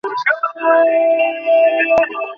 আসুন কিছু লোকের সাথে পরিচয় করাই।